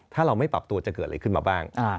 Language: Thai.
ถ้าเราไม่ปรับตัวจะเกิดอะไรขึ้นมาบ้าง